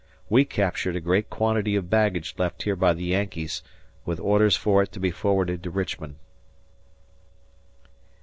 ... We captured a great quantity of baggage left here by the Yankees; with orders for it to be forwarded to Richmond.